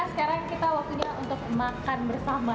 sekarang kita waktunya untuk makan bersama